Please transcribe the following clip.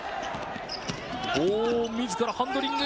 自らハンドリング！